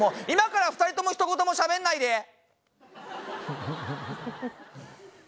今から２人ともひと言もしゃべんないで。